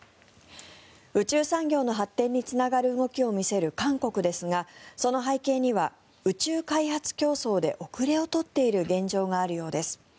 宇宙産業の発展につながる動きを見せる韓国ですがその背景には宇宙開発競争で後れを取っている現状があるようです。